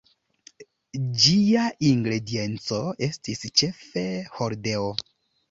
Ĝia ingredienco estis ĉefe hordeo.